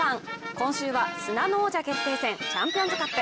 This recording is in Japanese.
今週は砂の王者決定戦チャンピオンズカップ。